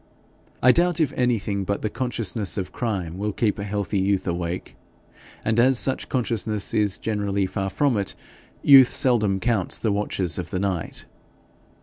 I doubt if anything but the consciousness of crime will keep healthy youth awake, and as such consciousness is generally far from it, youth seldom counts the watches of the night.